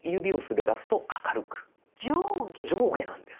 上下なんです。